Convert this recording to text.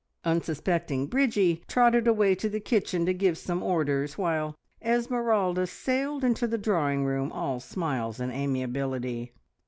Unsuspecting Bridgie trotted away to the kitchen to give some orders, while Esmeralda sailed into the drawing room, all smiles and amiability.